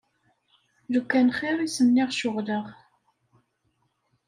Lukan xir i s-nniɣ ceɣleɣ.